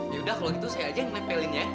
yaudah kalau gitu saya aja yang nepelinnya